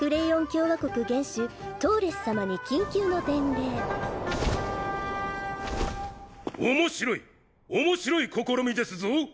共和国元首トーレス様に緊急の伝令面白い面白い試みですぞ！